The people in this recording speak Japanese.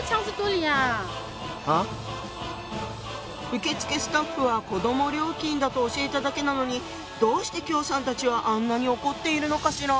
受付スタッフは子ども料金だと教えただけなのにどうして喬さんたちはあんなに怒っているのかしら？